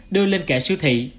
đưa lên kệ siêu thị